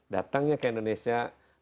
datangnya ke indonesia